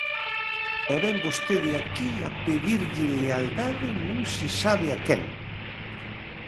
E vén vostede aquí a pedirlle lealdade non se sabe a quen.